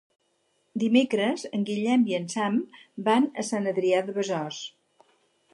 Dimecres en Guillem i en Sam van a Sant Adrià de Besòs.